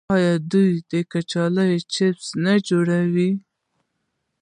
آیا دوی د کچالو چپس نه جوړوي؟